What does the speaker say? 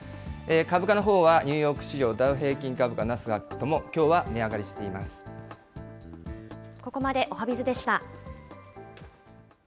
株価のほうはニューヨーク市場ダウ平均株価、ナスダックとも、きここまでおはＢｉｚでした。